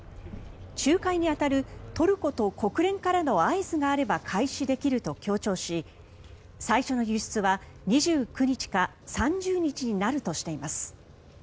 仲介に当たるトルコと国連からの合図があれば開始できると強調し最初の輸出は２９日か３０日になるとしています。